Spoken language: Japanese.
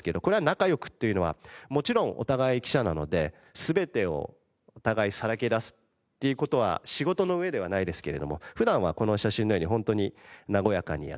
「仲良く」っていうのはもちろんお互い記者なので全てをお互いさらけ出すっていう事は仕事の上ではないですけれども普段はこの写真のように本当に和やかにやってます。